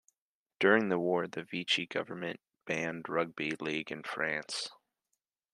During the war the Vichy Government banned Rugby League in France.